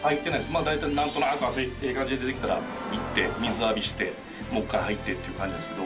まぁ大体何となく汗ええ感じで出てきたら行って水浴びしてもっかい入ってっていう感じですけど